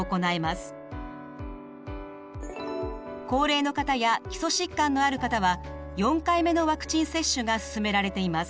高齢の方や基礎疾患のある方は４回目のワクチン接種がすすめられています。